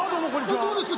どうですか？